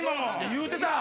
言うてた！